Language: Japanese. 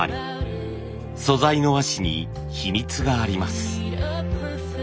素材の和紙に秘密があります。